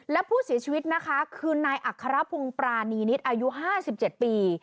และผู้เสียชีวิตนะคะคือนายอัครพงศ์ปรานีนิดอายุ๕๗ปี